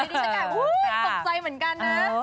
โอ้โฮตกใจเหมือนกันนะ